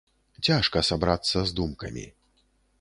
Цяжка сабрацца з думкамі.